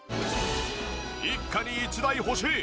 一家に一台欲しい。